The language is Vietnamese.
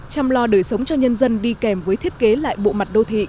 chăm lo đời sống cho nhân dân đi kèm với thiết kế lại bộ mặt đô thị